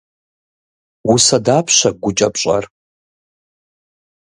Усэ дапщэ гукӏэ пщӏэр?